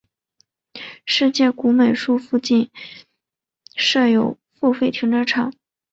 世田谷美术馆附近设有付费停车场。